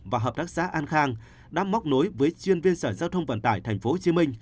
và hợp tác xã an khang đã móc nối với chuyên viên sở giao thông vận tải tp hcm